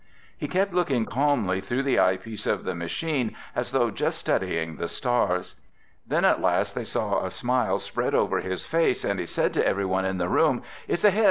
He kept looking calmly through the eyepiece of the machine as though just studying the stars. Then at last they saw a smile spread over his face and he said to everyone in the room, "It's a hit!